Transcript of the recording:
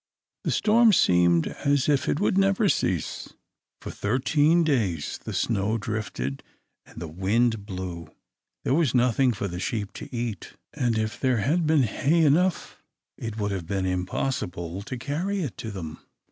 The storm seemed as if it would never cease; for thirteen days the snow drifted and the wind blew. There was nothing for the sheep to eat, and if there had been hay enough, it would have been impossible to carry it to them.